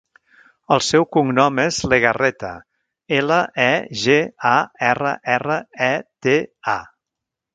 El seu cognom és Legarreta: ela, e, ge, a, erra, erra, e, te, a.